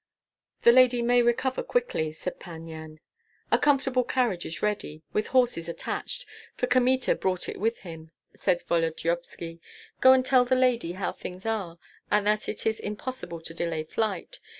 "The lady may recover quickly," said Pan Yan. "A comfortable carriage is ready, with horses attached, for Kmita brought it with him," said Volodyovski. "Go and tell the lady how things are, and that it is impossible to delay flight.